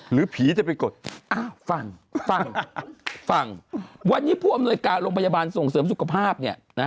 หรือผีจะไปกดฟังวันนี้ผู้อำนวยการโรงพยาบาลส่งเสริมสุขภาพไง